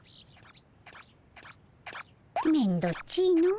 めんどっちいのう。